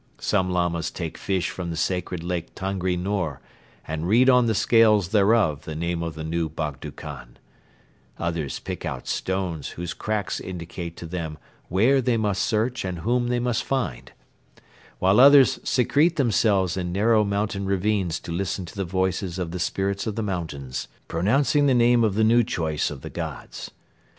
Some Lamas take fish from the sacred lake Tangri Nor and read on the scales thereof the name of the new Bogdo Khan; others pick out stones whose cracks indicate to them where they must search and whom they must find; while others secrete themselves in narrow mountain ravines to listen to the voices of the spirits of the mountains, pronouncing the name of the new choice of the Gods.